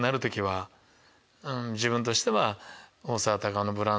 自分としては。